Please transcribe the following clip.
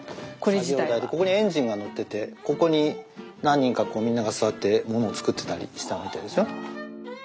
作業台でここにエンジンが載っててここに何人かこうみんなが座って物を作ってたりしたみたいですよ。